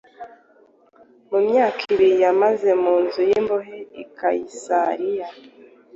mu myaka ibiri yamaze mu nzu y’imbohe i Kayisariya